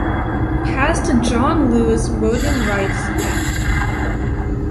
Pass the John Lewis Voting Rights Act.